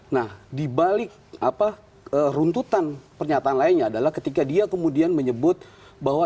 nah dibalik runtutan pernyataan lainnya adalah ketika dia kemudian menyebut bahwa